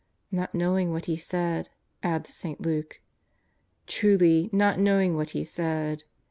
'^" not knowing what he said," adds St. Luke. Truly, not knowing what he said.